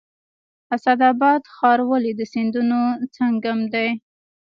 اسعد اباد ښار ولې د سیندونو سنگم دی؟